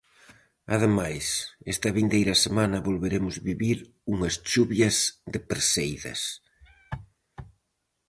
Ademais, esta vindeira semana volveremos vivir unhas chuvias de perseidas.